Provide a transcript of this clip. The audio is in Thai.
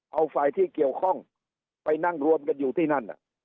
เอาฝ่ายที่เกี่ยวข้องไปนั่งรวมกันอยู่ที่นั่น